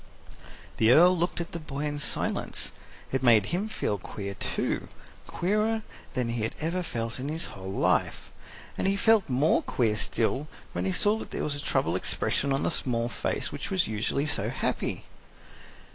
The Earl looked at the boy in silence. It made him feel queer, too queerer than he had ever felt in his whole life. And he felt more queer still when he saw that there was a troubled expression on the small face which was usually so happy.